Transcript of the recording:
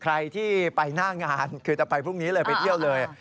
ใครที่ไปหน้างานคือจะไปพรุ่งนี้เลยไปเที่ยวเลย